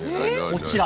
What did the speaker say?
こちら。